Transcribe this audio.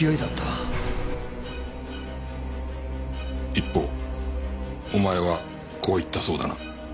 一方お前はこう言ったそうだな。